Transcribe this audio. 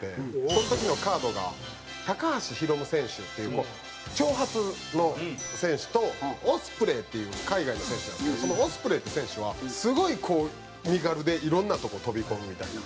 その時のカードが高橋ヒロム選手っていう長髪の選手とオスプレイっていう海外の選手なんですけどそのオスプレイっていう選手はすごい身軽でいろんなとこ飛び込むみたいな。